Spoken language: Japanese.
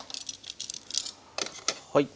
はい。